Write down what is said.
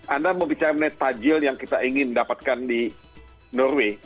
anda mau bicara mengenai tajil yang kita ingin dapatkan di norway